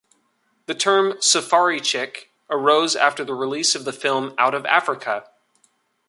The term "safari chic" arose after the release of the film "Out of Africa".